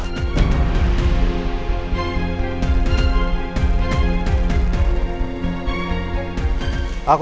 aku yakin mereka tutupin sesuatu dari aku